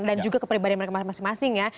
dan juga kepribadian mereka masing masing ya